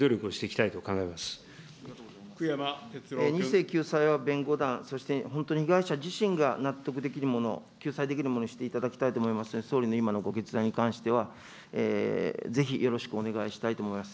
２世救済は弁護団、そして被害者自身が納得できるもの、救済できるものにしていただきたいと思いますので、総理の今のご決断に関しては、ぜひよろしくお願いしたいと思います。